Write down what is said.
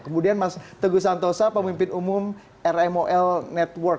kemudian mas teguh santosa pemimpin umum rmol network